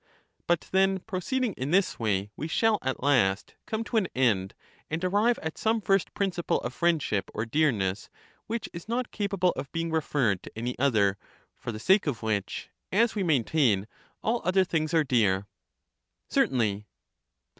But then, proceeding in this way, we shall at last come to an end, and arrive at some first principle of friendship or dearness which is not capable of being referred to any other, for the sake of which, as we maintain, all other things are dear. Certainly.